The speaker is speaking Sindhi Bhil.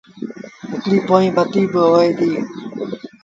هڪڙي پوئيٚن بتيٚ با هوئي دي